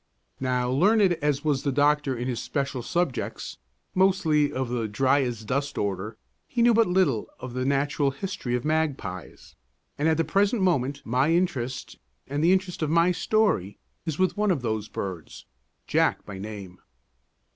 Now, learned as was the doctor in his special subjects mostly of the dry as dust order he knew but little of the natural history of magpies; and at the present moment my interest and the interest of my story is with one of those birds, Jack by name.